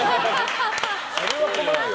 それは困るよ。